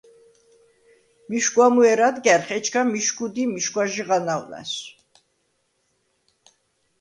მიშგუ̂ა მუ ერ ადგა̈რხ, ეჩქა მიშგუ̂ა დი მიშგუ̂აჟი ღანაუ̂ ლა̈სუ̂.